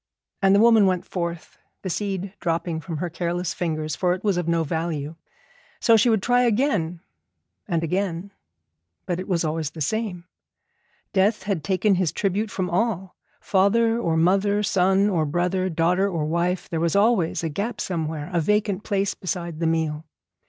And the woman went forth, the seed dropping from her careless fingers, for it was of no value. So she would try again and again, but it was always the same. Death had taken his tribute from all. Father or mother, son or brother, daughter or wife, there was always a gap somewhere, a vacant place beside the meal.